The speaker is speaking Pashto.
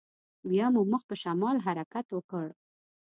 بيا مو مخ پر شمال حرکت وکړ.